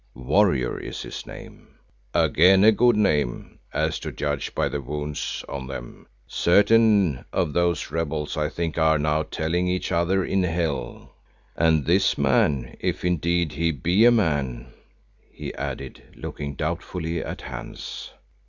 "Warrior is his name." "Again a good name, as to judge by the wounds on them, certain of those rebels I think are now telling each other in Hell. And this man, if indeed he be a man——" he added, looking doubtfully at Hans.